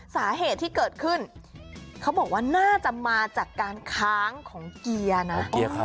สาเหตุที่เกิดขึ้นเขาบอกว่าน่าจะมาจากการค้างของเกียร์นะ